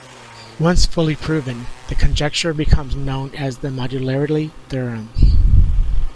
Once fully proven, the conjecture became known as the modularity theorem.